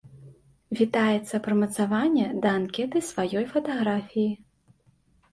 Вітаецца прымацаванне да анкеты сваёй фатаграфіі.